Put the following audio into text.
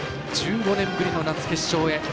１５年ぶりの夏決勝へ。